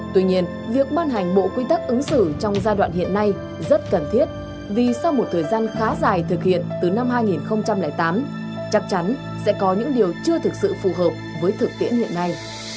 tuy nhiên việc ban hành bộ quy tắc ứng xử trong giai đoạn hiện nay rất cần thiết vì sau một thời gian khá dài thực hiện từ năm hai nghìn tám chắc chắn sẽ có những điều chưa thực sự phù hợp với thực tiễn hiện nay